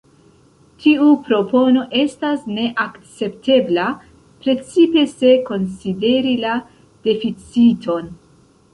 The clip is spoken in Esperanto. Tiu propono estas ne akceptebla, precipe se konsideri la deficiton.